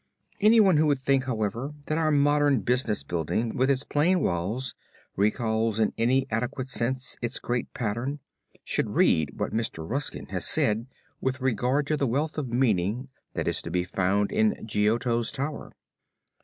Anyone who would think, however, that our modern business building with its plain walls recalls in any adequate sense its great pattern, should read what Mr. Ruskin has said with regard to the wealth of meaning that is to be found in Giotto's tower.